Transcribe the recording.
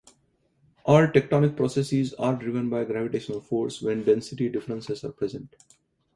All tectonic processes are driven by gravitational force when density differences are present.